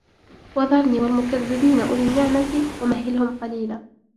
وذرني والمكذبين أولي النعمة ومهلهم قليلا